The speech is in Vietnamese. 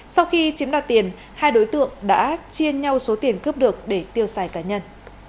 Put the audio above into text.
sau khi chiếm đoạt tiền hai đối tượng đã chia nhau số tiền cướp được để tiêu xài cá nhân